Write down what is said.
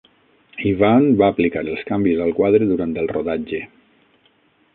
Ivan va aplicar els canvis al quadre durant el rodatge.